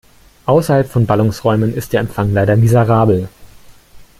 Außerhalb von Ballungsräumen ist der Empfang leider miserabel.